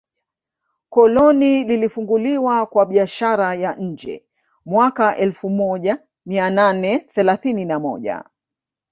Koloni lilifunguliwa kwa biashara ya nje mwaka elfu moja mia nane thelathini na moja